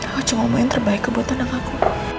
aku cuma mau yang terbaik buat anak aku